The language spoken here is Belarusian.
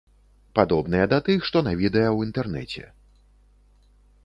Падобныя да тых, што на відэа ў інтэрнэце.